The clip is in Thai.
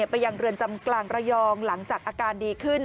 ไปยังเรือนจำกลางระยองหลังจากอาการดีขึ้น